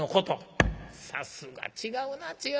さすが違うな違う。